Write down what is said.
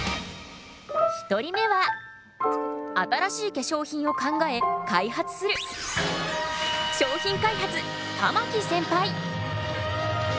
１人目は新しい化粧品を考え開発する商品開発玉置センパイ。